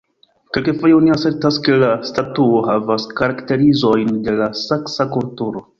Kelkfoje oni asertas ke la statuo havas karakterizojn de la saksa kulturo.